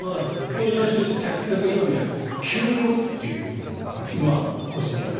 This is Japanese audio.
今みたいに急に動くというのは腰にやっぱり。